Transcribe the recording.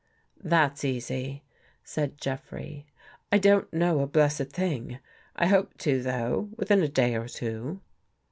" That's easy," said Jeffrey. " I don't know a blessed thing. I hope to, though, within a day or two."